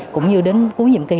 cũng như đến cuối nhiệm kỳ